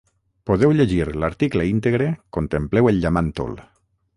Podeu llegir l’article íntegre Contempleu el llamàntol.